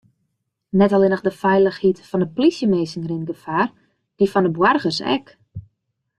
Net allinnich de feilichheid fan de plysjeminsken rint gefaar, dy fan boargers ek.